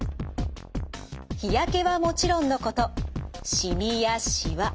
日焼けはもちろんのことしみやしわ